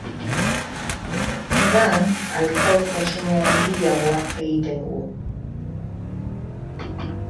Udan alkohol kontsumo handiagoa egiten dugu.